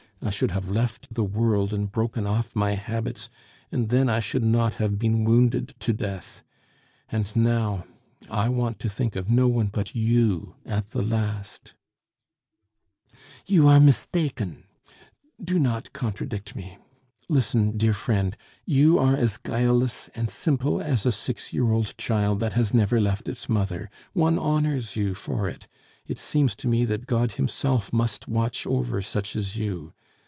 I should have left the world and broken off my habits, and then I should not have been wounded to death. And now, I want to think of no one but you at the last " "You are missdaken " "Do not contradict me listen, dear friend.... You are as guileless and simple as a six year old child that has never left its mother; one honors you for it it seems to me that God Himself must watch over such as you.